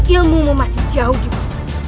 ilmumu masih jauh juga